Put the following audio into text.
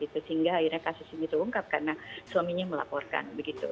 sehingga akhirnya kasus ini terungkap karena suaminya melaporkan